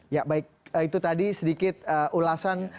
ya baik itu tadi sedikit ulasan